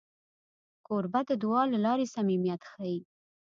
کوربه د دعا له لارې صمیمیت ښيي.